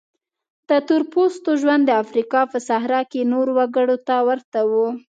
د تور پوستو ژوند د افریقا په صحرا کې نورو وګړو ته ورته و.